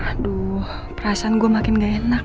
aduh perasaan gue makin gak enak